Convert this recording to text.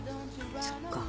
そっか。